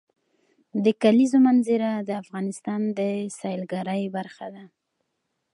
د کلیزو منظره د افغانستان د سیلګرۍ برخه ده.